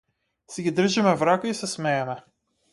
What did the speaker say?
Си ги држиме в рака и се смееме.